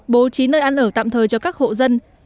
bố trí nơi ăn ở tạm thời cho các hộ dân